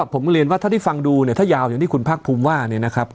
ผมเรียนว่าที่ฟังดูถ้ายาวอย่างที่คุณพรรคภูมิว่า